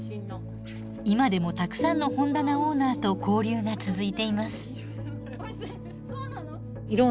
今でもたくさんの本棚オーナーと交流が続いています。